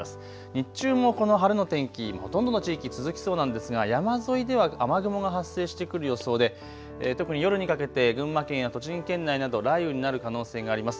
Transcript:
日中もこの晴れの天気、ほとんどの地域、続きそうなんですが山沿いでは雨雲が発生してくる予想で特に夜にかけて群馬県や栃木県内など雷雨になる可能性があります。